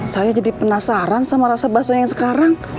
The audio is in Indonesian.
saya jadi penasaran sama rasa bakso yang sekarang